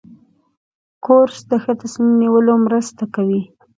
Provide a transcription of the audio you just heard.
کورس د ښه تصمیم نیولو مرسته کوي.